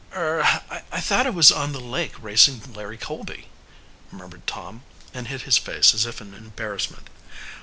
"Er I thought I was on the lake racing Larry Colby," murmured Tom and hid his face as if in embarrassment.